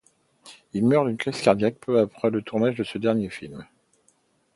Il meurt d'une crise cardiaque peu après le tournage de son dernier film.